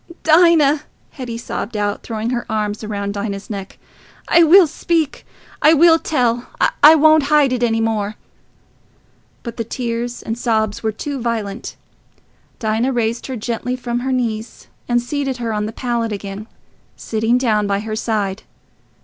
'..." "Dinah," Hetty sobbed out, throwing her arms round Dinah's neck, "I will speak... I will tell... I won't hide it any more." But the tears and sobs were too violent. Dinah raised her gently from her knees and seated her on the pallet again, sitting down by her side.